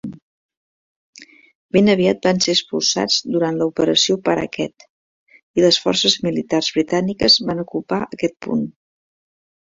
Ben aviat van ser expulsats durant l'operació Paraquet i les forces militars britàniques van ocupar aquest punt.